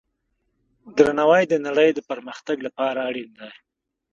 درناوی د نړۍ د پرمختګ لپاره اړین دی.